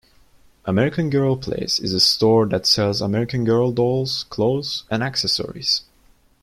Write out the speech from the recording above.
American Girl Place is a store that sells American Girl dolls, clothes, and accessories.